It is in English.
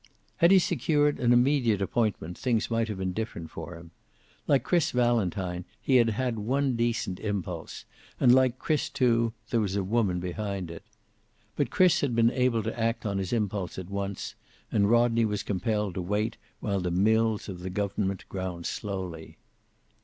Had he secured an immediate appointment things might have been different for him. Like Chris Valentine, he had had one decent impulse, and like Chris too, there was a woman behind it. But Chris had been able to act on his impulse at once, and Rodney was compelled to wait while the mills of the government ground slowly.